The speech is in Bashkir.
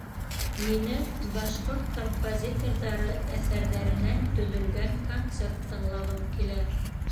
Минең башҡорт композиторҙары әҫәрҙәренән төҙөлгән концерт тыңлағым килә.